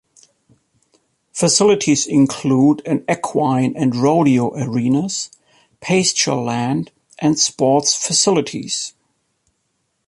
Facilities include an equine and rodeo arenas, pasture-land, and sports facilities.